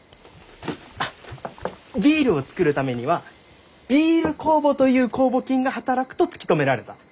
あっビールを造るためにはビール酵母という酵母菌が働くと突き止められた。